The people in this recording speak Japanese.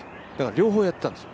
両方やってたんですよ。